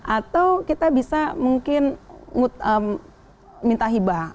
atau kita bisa mungkin minta hibah